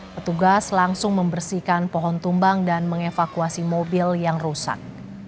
petugas langsung membersihkan pohon tumbang dan mengevakuasi mobil yang rusak